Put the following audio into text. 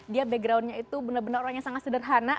dia backgroundnya itu benar benar orang yang sangat sederhana